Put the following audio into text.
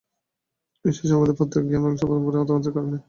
ঈশ্বর-সম্বন্ধে প্রত্যক্ষ জ্ঞান বংশ পরম্পরায় তোমাদের কারও নেই।